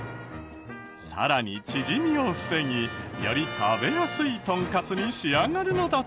さらに縮みを防ぎより食べやすいトンカツに仕上がるのだとか。